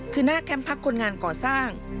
คือหน้าแคมป์พักคนงานก่อสร้าง